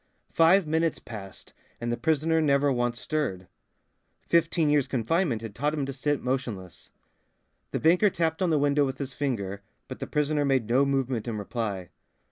Five minutes passed and the prisoner never once stirred. Fifteen years' confinement had taught him to sit motionless. The banker tapped on the window with his finger, but the prisoner made no movement in reply.